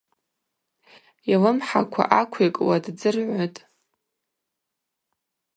Йлымхӏаква аквикӏуа ддзыргӏвытӏ.